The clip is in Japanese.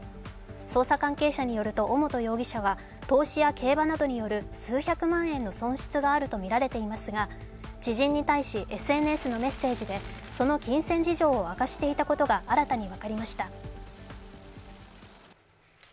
捜査関係者によると尾本容疑者は投資や競馬などによる数百万円の損失があるとみられていますが知人に対しＳＮＳのメッセージでその金銭事情を明かしていたことが新たに分かりました。